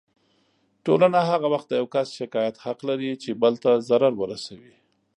ټولنه هغه وخت د يو کس شکايت حق لري چې بل ته ضرر ورسوي.